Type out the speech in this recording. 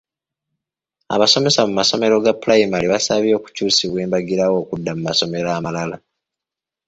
Abasomesa mu masomero ga pulayimale basabye okukyusibwa embagirawo okudda ku masomero amalala.